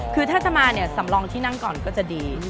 คือถ้าจะมาเนี่ยสำรองที่นั่งก่อนก็จะดี